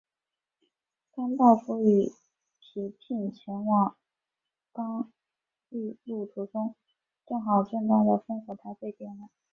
甘道夫与皮聘前往刚铎途中正好见到了烽火台被点燃。